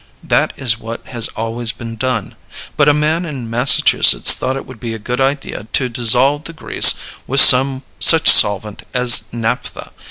That is what has always been done. But a man in Massachusetts thought it would be a good idea to dissolve the grease with some such solvent as naphtha.